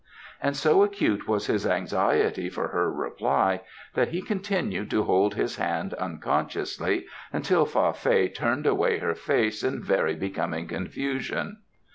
and so acute was his anxiety for her reply that he continued to hold his hand unconsciously until Fa Fei turned away her face in very becoming confusion.